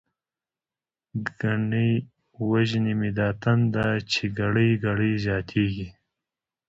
گڼی وژنی می دا تنده، چی گړی گړی زیاتتیږی